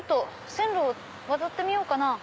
線路渡ってみようかな。